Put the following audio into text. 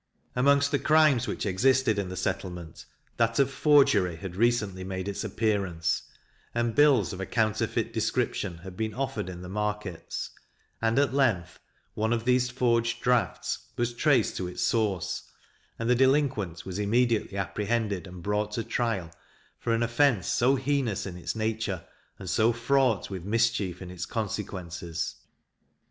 Amongst the crimes which existed in the settlement, that of forgery had recently made its appearance, and bills of a counterfeit description had been offered in the markets; and, at length, one of these forged draughts was traced to its source, and the delinquent was immediately apprehended and brought to trial for an offence so heinous in its nature, and so fraught with mischief in its consequences.